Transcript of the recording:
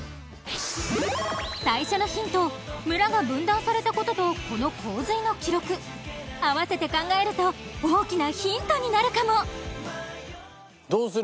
最初のヒント村が分断されたこととこの洪水の記録あわせて考えると大きなヒントになるかもどうする？